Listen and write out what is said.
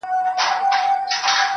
د پيغورونو په مالت کي بې ريا ياري ده.